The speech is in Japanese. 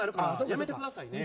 やめてくださいね。